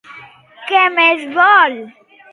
Què més es vol?